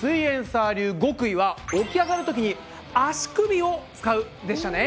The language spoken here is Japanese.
サー流極意は起き上がるときに足首を使うでしたね！